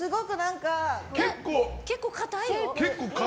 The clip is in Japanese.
結構硬いよ。